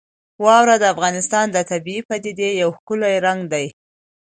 واوره د افغانستان د طبیعي پدیدو یو ښکلی رنګ دی.